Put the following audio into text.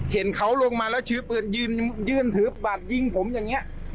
เห็นเขาลงมาแล้วถือปืนยืนถือบัตรยิงผมอย่างนี้